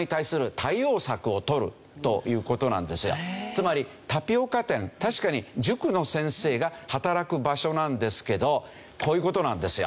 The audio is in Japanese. つまりタピオカ店確かに塾の先生が働く場所なんですけどこういう事なんですよ。